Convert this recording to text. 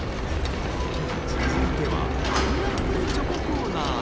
［続いてはパイナップルチョココーナーへ］